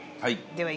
はい。